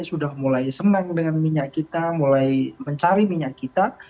sudah mulai senang dengan minyak kita mulai mencari minyak kita